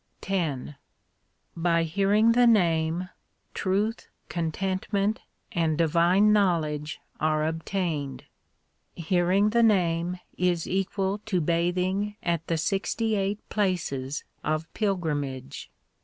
X By hearing the Name truth, contentment, and divine knowledge are obtained. Hearing the Name is equal to bathing at the sixty eight places of pilgrimage.